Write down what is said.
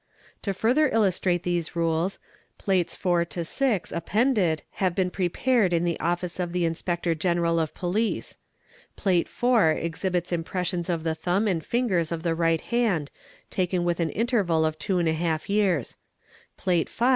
"To further illustrate these rules, Plates IV. to VI. sppenddan i been prepared in the office of the Inspector General of Police. Plate IV exhibits impressions of the thumb and fingers of the right hand take: with an interval of 24 years. Plate V.